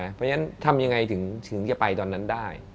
เพราะฉะนั้นทำยังไงถึงจะไปตอนนั้นได้